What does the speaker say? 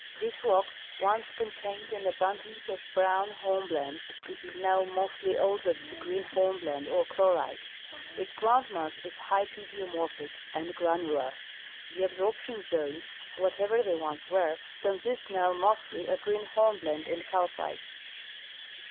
'l This rock once contained an abundance of brown hornblende, which is now mostly altered to green hornblende or chlorite. Its groundmass is hypidiomorphic and granular. The absorp tion zones, whatever they once were, consist noAV mostly of green hornblende and calcite.